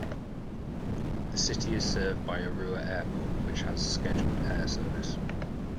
The city is served by Arua Airport, which has scheduled air service.